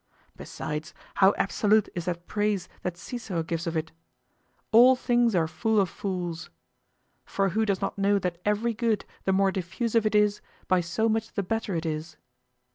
Besides, how absolute is that praise that Cicero gives of it! "All things are full of fools." For who does not know that every good, the more diffusive it is, by so much the better it is?